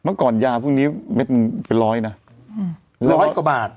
เมื่อก่อนยาพวกนี้เม็ดหนึ่งเป็นร้อยนะร้อยกว่าบาท